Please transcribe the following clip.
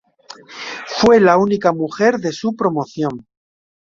Fue la única mujer de su promoción.